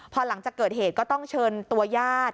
พอหลังจากเกิดเหตุก็ต้องเชิญตัวญาติ